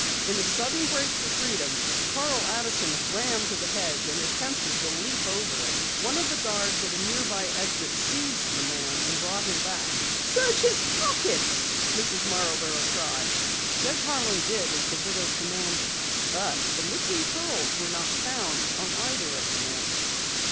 In a sudden break for freedom, Carl Addison ran to the hedge and attempted to leap over it. One of the guards at a nearby exit seized the man and brought him back. "Search his pockets!" Mrs. Marborough cried. Judge Harlan did as the widow demanded, but the missing pearls were not found on either of the men.